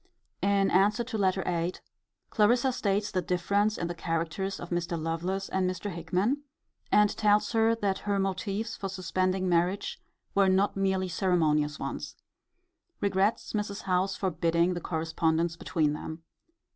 In answer to Letter VIII. Clarissa states the difference in the characters of Mr. Lovelace and Mr. Hickman; and tells her, that her motives for suspending marriage were not merely ceremonious ones. Regrets Mrs. Howe's forbidding the correspondence between them.